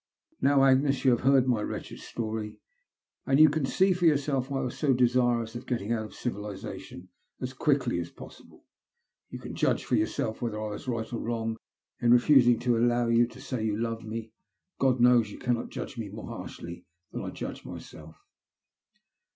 Now, Agnes, that you have heard my wretched story, you can see for yourself why I was so desirous of getting out of civilization as quickly as possible. Tou can judge for yourself whether I was right or wrong in refusing to allow you to say you loved me. God knows you cannot judge me more harshly than I judge myself.